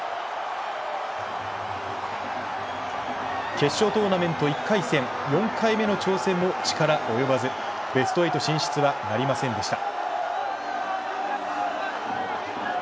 決勝トーナメント１回戦４回目の挑戦も力及ばずベスト８進出はなりませんでした。